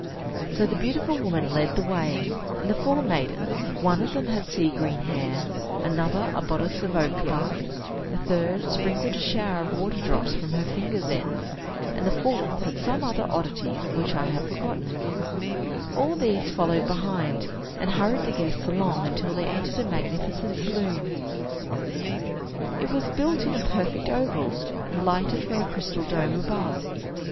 So the beautiful woman led the way; and the four maidens (one of them had sea green hair, another a bodice of oak bark, a third sprinkled a shower of water drops from her fingers' ends, and the fourth had some other oddity, which I have forgotten), all these followed behind, and hurried the guests along, until they entered a magnificent saloon. It was built in a perfect oval, and lighted from a crystal dome above.